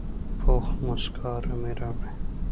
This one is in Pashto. پوخ مسکا آرامي راوړي